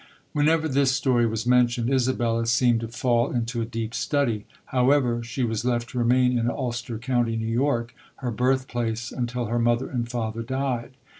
Whenever this story was mentioned, Isabella seemed to fall into a deep study. However, she was left to remain in Ulster County, New York, her birthplace, until her mother and father died.